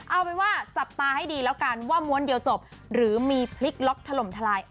เอาเป็นว่าจับตาให้ดีแล้วกันว่าม้วนเดียวจบหรือมีพลิกล็อกถล่มทลาย